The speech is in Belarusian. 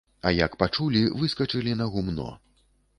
А як пачулі, выскачылі на гумно.